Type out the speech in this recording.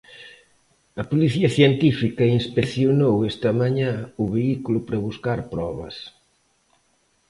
A policía científica inspeccionou esta mañá o vehículo para buscar probas.